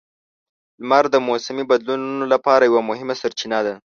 لمر د موسمي بدلونونو لپاره یوه مهمه سرچینه ده.